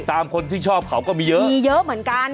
คนที่ชอบเขาก็มีเยอะมีเยอะเหมือนกัน